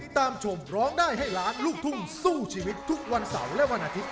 ชมร้องได้ให้ล้านลูกทุ่งสู้ชีวิตทุกวันเสาร์และวันอาทิตย